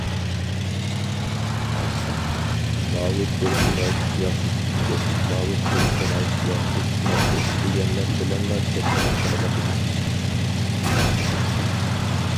ماۋۇ پېرسوناژ ياخشى چىقىپتۇ، ماۋۇ پېرسوناژ ياخشى چىقماپتۇ دېگەنلەر بىلەنلا چەكلىنىپ قېلىۋاتىمىز.